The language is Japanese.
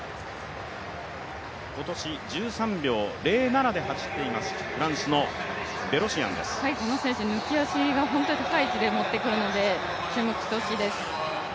今年１３秒０７で走っています、この選手、抜き足が非常に高い位置で持ってくるので、注目してほしいです。